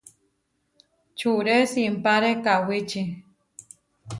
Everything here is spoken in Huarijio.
Čuré simpáre kawíči.